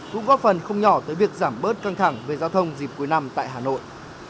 cũng góp phần không nhỏ tới việc giảm bớt căng thẳng về giao thông dịp cuối năm tại hà nội